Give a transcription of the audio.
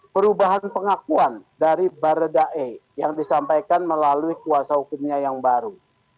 perubahan pengakuan dari baradae yang disampaikan melalui kuasa hukumnya yang baru